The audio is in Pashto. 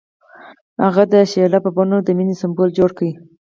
هغه د شعله په بڼه د مینې سمبول جوړ کړ.